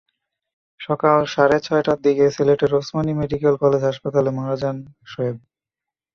সকাল সাড়ে ছয়টার দিকে সিলেটের ওসমানী মেডিকেল কলেজ হাসপাতালে মারা যান সোয়েব।